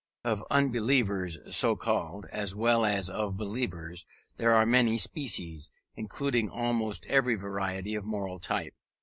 Of unbelievers (so called) as well as of believers, there are many species, including almost every variety of moral type.